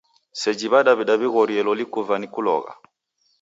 Seji W'adaw'ida w'ighorie loli kuva ni kulogha.